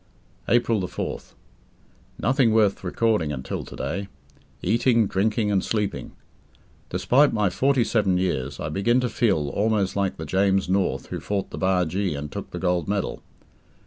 April 4th. Nothing worth recording until to day. Eating, drinking, and sleeping. Despite my forty seven years, I begin to feel almost like the James North who fought the bargee and took the gold medal.